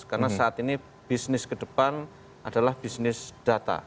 karena saat ini bisnis ke depan adalah bisnis data